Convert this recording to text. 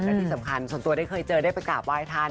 และที่สำคัญส่วนตัวได้เคยเจอได้ไปกราบไหว้ท่าน